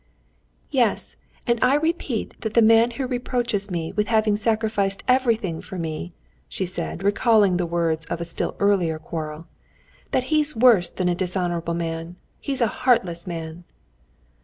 "Yes, and I repeat that the man who reproaches me with having sacrificed everything for me," she said, recalling the words of a still earlier quarrel, "that he's worse than a dishonorable man—he's a heartless man."